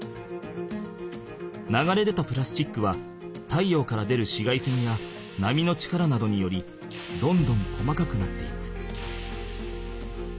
流れ出たプラスチックは太陽から出る紫外線や波の力などによりどんどん細かくなっていく。